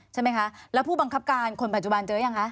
ใช่ไหมคะแล้วผู้บังคับการคนปัจจุบันเจอยังคะ